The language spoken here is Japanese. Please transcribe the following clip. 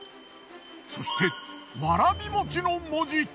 そしてわらびもちの文字。